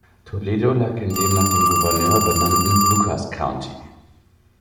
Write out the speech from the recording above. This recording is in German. Toledo lag in dem nach dem Gouverneur benannten Lucas County.